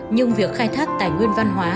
nhưng việc khai thác tài nguyên văn hóa